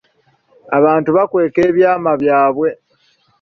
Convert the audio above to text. Abantu bakweka ebyama byabwe.